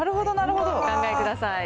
お考えください。